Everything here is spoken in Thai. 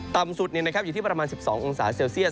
ต่ำสุดอยู่ที่ประมาณ๑๒องศาเซลเซียต